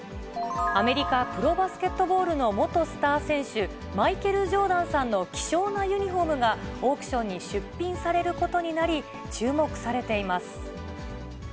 アメリカ・プロバスケットボールの元スター選手、マイケル・ジョーダンさんの希少なユニホームが、オークションに出品されることになり、注目されています。